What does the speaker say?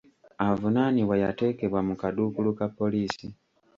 Avunaanibwa yateekebwa mu kaduukulu ka poliisi.